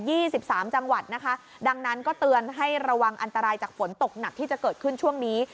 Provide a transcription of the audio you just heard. สิบสามจังหวัดนะคะดังนั้นก็เตือนให้ระวังอันตรายจากฝนตกหนักที่จะเกิดขึ้นช่วงนี้